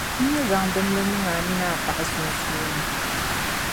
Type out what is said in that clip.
n ni zaŋ dimli niŋ a mini paɣa sunsuuni.